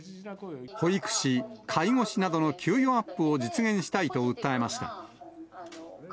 保育士、介護士などの給与アップを実現したいと訴えました。